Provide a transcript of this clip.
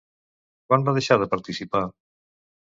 Quan va deixar de participar?